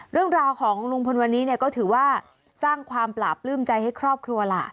เรื่องราวของลุงพลวันนี้เนี่ยก็ถือว่าสร้างความปราบปลื้มใจให้ครอบครัวล่ะ